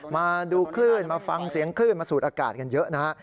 มาดูคลื่นมาฟังเสียงคลื่นมาสูดอากาศกันเยอะนะฮะ